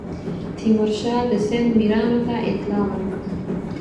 تیمورشاه د سند میرانو ته اطلاع ورکړه.